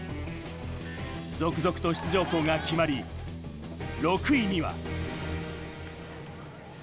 続々と出場校が決まり、６位には。